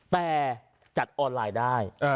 แต่จัดออนไลน์ได้